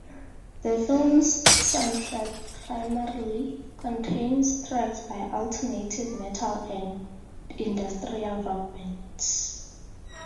The film's soundtrack primarily contains tracks by alternative metal and industrial rock bands.